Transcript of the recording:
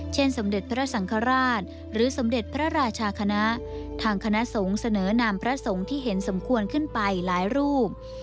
สมเด็จพระสังฆราชหรือสมเด็จพระราชาคณะทางคณะสงฆ์เสนอนามพระสงฆ์ที่เห็นสมควรขึ้นไปหลายรูป